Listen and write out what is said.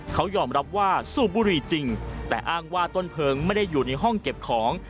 เขายอมรับว่าสูบบุหรี่จริงแต่อ้างว่าต้นเพลิงไม่ได้อยู่ในห้องเก็บของ